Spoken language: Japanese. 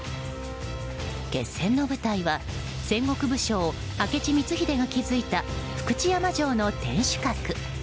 決戦の舞台は戦国武将明智光秀が築いた福知山城の天守閣。